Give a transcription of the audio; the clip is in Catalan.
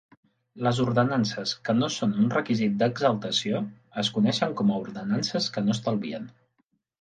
Les ordenances que no són un requisit d'exaltació es coneixen com a ordenances que no estalvien.